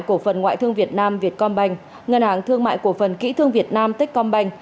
cổ phần ngoại thương việt nam việt combank ngân hàng thương mại cổ phần kỹ thương việt nam tích combank